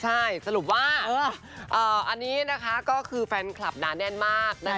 ใช่สรุปว่าอันนี้นะคะก็คือแฟนคลับหนาแน่นมากนะคะ